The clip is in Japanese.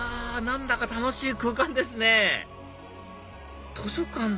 何だか楽しい空間ですね図書館